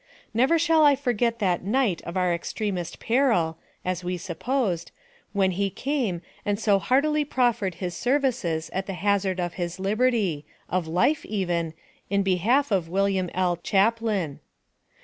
Never shall I forget that night of our extremest peril (as we supposed), when he came and so heartily proffered his services at the hazard of his liberty, of life even, in behalf of William L. Chaplin.